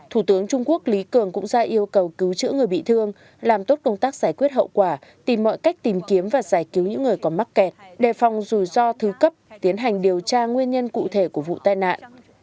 thủ tướng trung quốc lý cường cũng ra yêu cầu cứu chữa người bị thương làm tốt công tác giải quyết hậu quả tìm mọi cách tìm kiếm và giải cứu những người có mắc kẹt đề phòng rủi ro thứ cấp tiến hành điều tra nguyên nhân cụ thể của vụ tai nạn